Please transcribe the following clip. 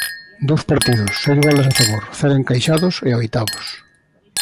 Dous partidos, seis goles a favor, cero encaixados e a oitavos.